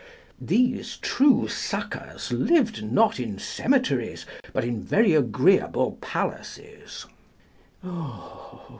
These true suckers lived not in cemeteries, but in very agreeable palaces.